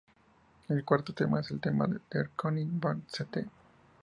El cuarto tema es el tema de Der König von St.